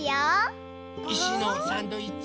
いしのサンドイッチ？